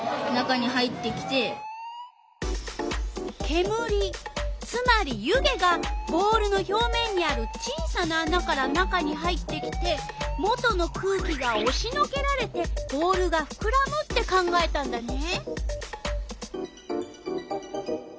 けむりつまり湯気がボールの表面にある小さなあなから中に入ってきてもとの空気がおしのけられてボールがふくらむって考えたんだね。